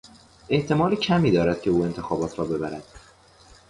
احتمال کمی دارد که او انتخابات را ببرد.